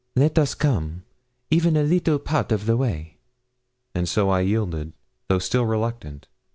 Let us come even a little part of the way.' And so I yielded, though still reluctant.